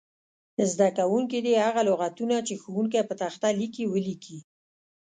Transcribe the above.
زده کوونکي دې هغه لغتونه چې ښوونکی په تخته لیکي ولیکي.